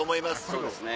そうですね。